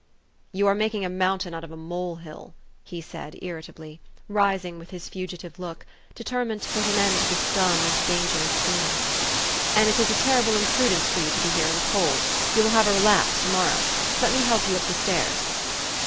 " You are making a mountain out of a mole hill," he said irritably, rising with his fugitive look, deter mined to put an end to this dumb and dangerous scene; "and it is a terrible imprudence for you to be here in the cold. You will have a relapse to morrow. Let me help you up the stairs."